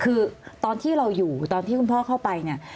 คือตอนที่เราอยู่ตอนที่คุณพ่อเข้าไปเนี่ย